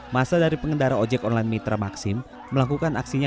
masa dari pengendara ojek online mitra maksim melakukan aksinya